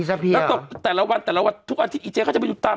แล้วตบแต่ละวันแต่ละวันทุกวันที่อีเจ๊ก็จะไปดูตาม